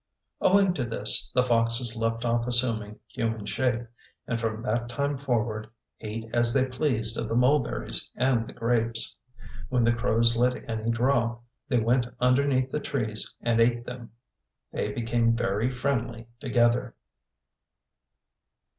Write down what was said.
Owing to this, the foxes left off assuming human shape, and, from that time forward, ate as they pleased of the mulberries and the grapes. When the crows let any drop, they went underneath the trees and ate them. They became very friendly together.